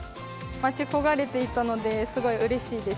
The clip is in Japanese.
待ち焦がれていたので、すごいうれしいです。